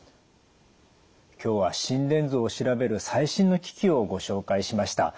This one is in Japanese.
今日は心電図を調べる最新の機器をご紹介しました。